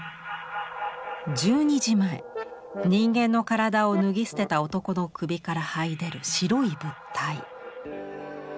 １２時前人間の体を脱ぎ捨てた男の首からはい出る白い物体。